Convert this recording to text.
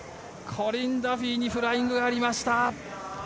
コリン・ダフィーにフライングがありました。